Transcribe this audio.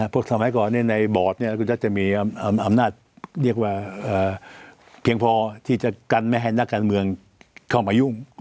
สมัยก่อนในบอร์ดคุณก็จะมีอำนาจเรียกว่าเพียงพอที่จะกันไม่ให้นักการเมืองเข้ามายุ่ง